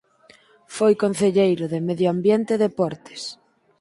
Foi concelleiro de medio ambiente e deportes.